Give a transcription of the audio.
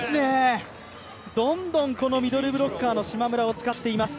どんどんミドルブロッカーの島村を使っていきます。